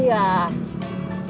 bapak mau tau